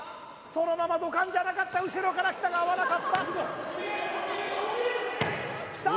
そのままドカンじゃなかった後ろからきたが合わなかったきた！